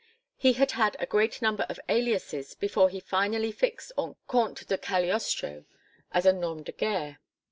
He had had a great number of aliases before he finally fixed on Comte de Cagliostro as a nomme de guerre.